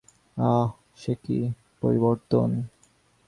আঃ, সে কি পরিবর্তন।